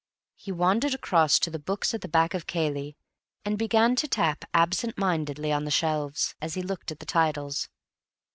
He wandered across to the books at the back of Cayley, and began to tap absent mindedly on the shelves, as he looked at the titles.